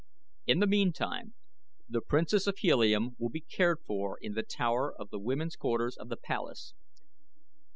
In the meantime the Princess of Helium will be cared for in the tower of the women's quarters of the palace.